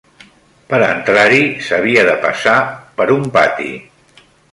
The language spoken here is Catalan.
Per entrar-hi s'havia de passar per un pati